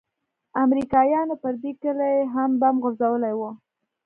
امريکايانو پر دې كلي هم بم غورځولي وو.